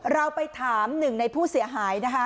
เราไปถามหนึ่งในผู้เสียหายนะคะ